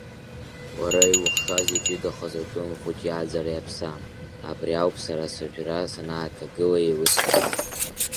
Уара иухшаз иҷыдахаз атәым хәыҷ иааӡара иаԥсам, абри ауп сара сажәра санааҭагыла еилыскааз.